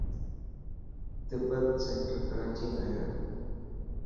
تبت سينٽر ڪراچي ۾ هي.